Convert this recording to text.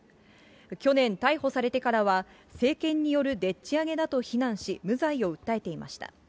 去年逮捕されてからは、政権によるでっちあげだと非難し、無罪を訴えていました。